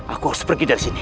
aku harus pergi dari sini